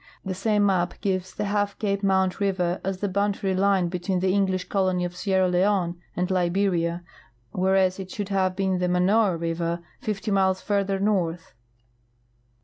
The same map gives the Half Cape Mount river as the boundar}^ line between the English colony of Sierra Leone and Liberia, whereas it should have been the Manoah river, 50 miles further north.